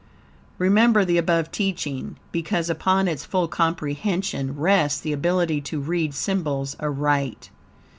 Remember the above teaching, because upon its full comprehension rests the ability to read symbols aright.